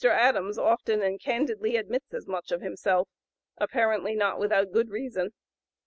Adams often and candidly admits as much of himself, apparently not without good reason.